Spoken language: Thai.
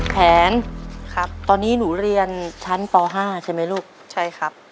แผนครับตอนนี้หนูเรียนชั้นป๕ใช่ไหมลูกใช่ครับ